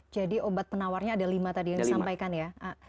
jadi obat penawarnya ada lima tadi yang disampaikan ya